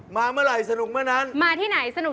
มันไม่ใช่รถตุ๊กตุ๊กมันรถมหาสนุก